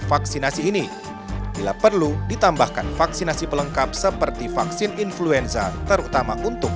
vaksinasi ini bila perlu ditambahkan vaksinasi pelengkap seperti vaksin influenza terutama untuk